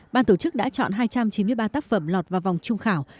ban tổ chức đã chọn hai trăm chín mươi ba tác phẩm lọt vào vòng trung khảo